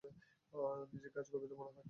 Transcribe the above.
নিজেকে আজ গর্বিত মনে হয়।